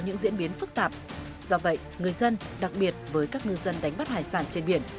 những diễn biến phức tạp do vậy người dân đặc biệt với các ngư dân đánh bắt hải sản trên biển